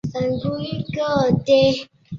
台湾版由联经出版发行。